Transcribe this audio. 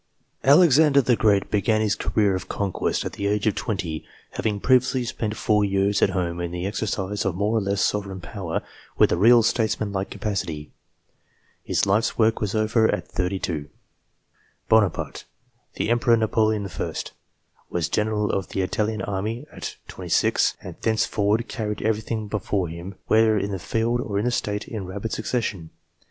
Alexander the Great began his career of conquest at the age of twenty, having previously spent four years at home COMMANDERS 135 in the exercise of more or less sovereign power, with a real statesmanlike capacity. His life's work was over get. 32. Bonaparte, the Emperor Napoleon I., was general of the Italian army set. 26, and thenceforward carried everything before him, whether in the field or in the State, in rapid succession.